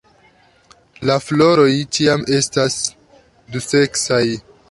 La floroj ĉiam estas duseksaj.